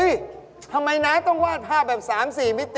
ทำไมน้าต้องวาดภาพแบบ๓๔มิติ